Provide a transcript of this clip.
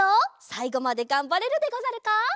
さいごまでがんばれるでござるか？